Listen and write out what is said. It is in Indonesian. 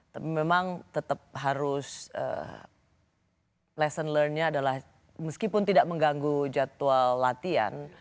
tapi memang tetap harus lesson learne nya adalah meskipun tidak mengganggu jadwal latihan